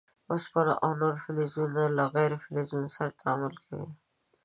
اوسپنه او نور فلزونه له غیر فلزونو سره تعامل کوي.